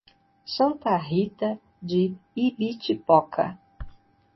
Santa Rita de Ibitipoca